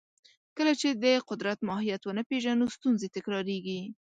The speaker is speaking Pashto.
کله چې د قدرت ماهیت ونه پېژنو، ستونزې تکراریږي.